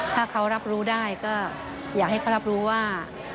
ถ้าเขารับรู้ได้ก็อยากให้เขารับรู้ว่า